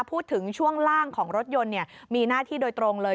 พูดถึงช่วงล่างของรถยนต์มีหน้าที่โดยตรงเลย